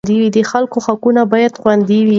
د خلکو حقونه باید خوندي وي.